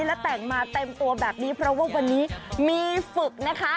และแต่งมาเต็มตัวแบบนี้เพราะว่าวันนี้มีฝึกนะคะ